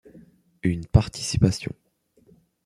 Une participation.